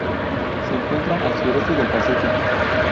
Se encuentra al sureste del Pacífico.